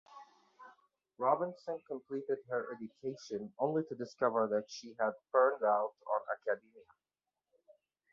Robinson completed her education only to discover that she had "burned out" on academia.